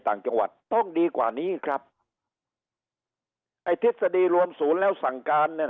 ต่างจังหวัดต้องดีกว่านี้ครับไอ้ทฤษฎีรวมศูนย์แล้วสั่งการเนี่ย